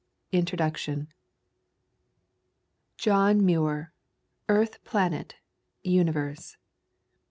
Introduction OHN MUIR, Earth planet, Universe."